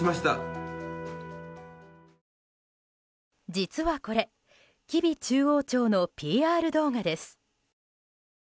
実はこれ吉備中央町のＰＲ動画です。